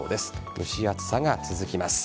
蒸し暑さが続きます。